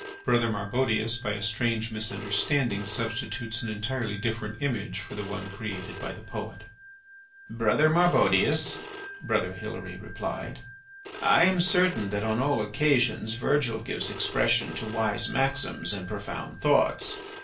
Brother Marbodius, by a strange misunderstanding, substitutes an entirely different image for the one created by the poet. "Brother Marbodius," he replied, "I am certain that on all occasions Virgil gives expression to wise maxims and profound thoughts.